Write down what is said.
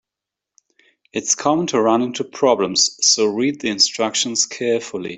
It's common to run into problems, so read the instructions carefully.